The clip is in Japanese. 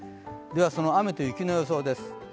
では、その雨と雪の予想です。